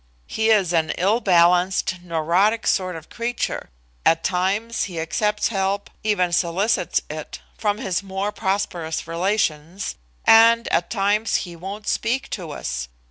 He is an ill balanced, neurotic sort of creature. At times he accepts help even solicits it from his more prosperous relations, and at times he won't speak to us.